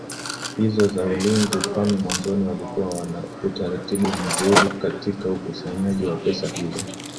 hizo za ulinzi kwani mwanzoni walikuwa wana utaratibu mnzuri katika ukusanyaji wa pesa hizo